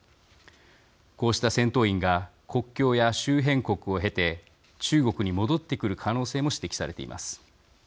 こうした戦闘員が国境や周辺国を経て中国に戻ってくる可能性も指摘されています。